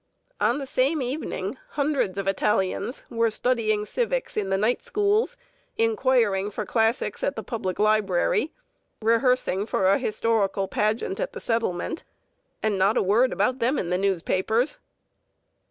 On the same evening hundreds of Italians were studying civics in the night schools, inquiring for classics at the public library, rehearsing for a historical pageant at the settlement and not a word about them in the newspapers.